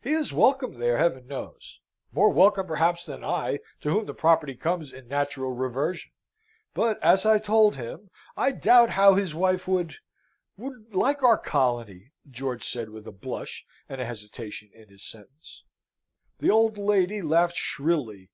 He is welcome there, Heaven knows; more welcome, perhaps, than I, to whom the property comes in natural reversion; but, as I told him, I doubt how his wife would would like our colony," George said, with a blush, and a hesitation in his sentence. The old lady laughed shrilly.